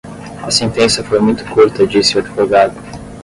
A sentença foi muito curta disse o advogado.